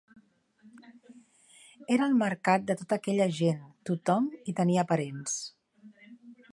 Era el mercat de tota aquella gent, tothom hi tenia parents